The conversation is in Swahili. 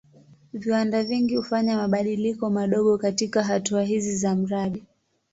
Viwanda vingi hufanya mabadiliko madogo katika hatua hizi za mradi.